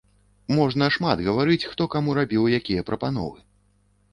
Можна шмат гаварыць хто каму рабіў якія прапановы.